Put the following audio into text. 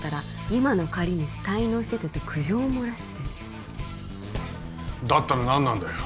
今の借り主滞納しててと苦情を漏らしてだったら何なんだよ